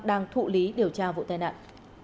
đang thụ lý điều tra vụ tai nạn